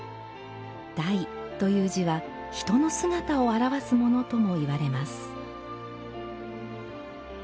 「大」という字は、人の姿を表すものとも言われます。